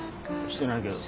してないけど。